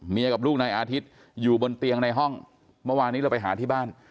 กับลูกนายอาทิตย์อยู่บนเตียงในห้องเมื่อวานนี้เราไปหาที่บ้าน